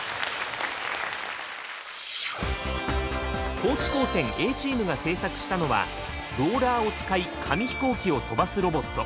高知高専Ａチームが製作したのはローラーを使い紙飛行機を飛ばすロボット。